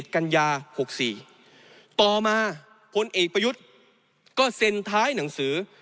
กันยา๖๔ต่อมาพลเอกประยุทธ์ก็เซ็นท้ายหนังสือ